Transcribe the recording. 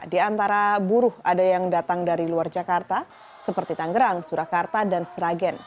di antara buruh ada yang datang dari luar jakarta seperti tangerang surakarta dan sragen